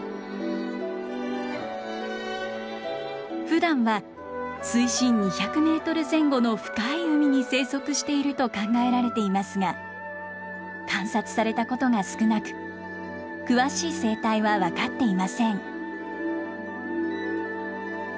ふだんは水深２００メートル前後の深い海に生息していると考えられていますが観察されたことが少なく詳しい生態は分かっていません。